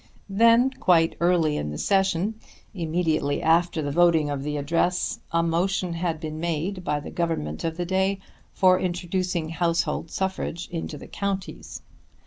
Then, quite early in the Session, immediately after the voting of the address, a motion had been made by the Government of the day for introducing household suffrage into the counties.